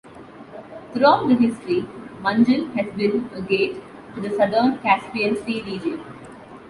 Throughout the history Manjil has been a gate to the southern Caspian Sea region.